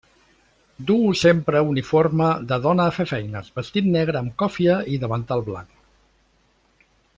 Duu sempre uniforme de dona de fer feines: vestit negre amb còfia i davantal blanc.